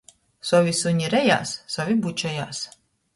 Sovi suni rejās, sovi bučojās.